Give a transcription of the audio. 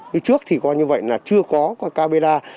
như trước thì có như vậy là chưa có camera